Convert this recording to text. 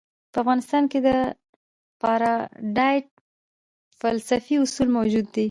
په افغانستان کې د اپارټایډ فلسفي اصول موجود دي.